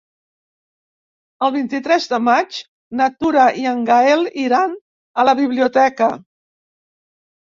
El vint-i-tres de maig na Tura i en Gaël iran a la biblioteca.